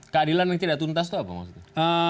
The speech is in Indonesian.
keadilan yang tidak tuntas itu apa maksudnya